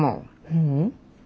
ううん。